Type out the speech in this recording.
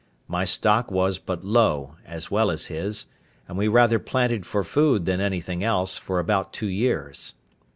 My stock was but low, as well as his; and we rather planted for food than anything else, for about two years.